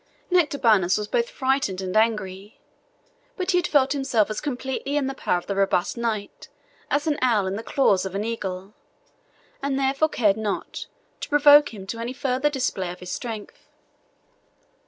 Nectabanus was both frightened and angry; but he had felt himself as completely in the power of the robust knight as an owl in the claws of an eagle, and therefore cared not to provoke him to any further display of his strength.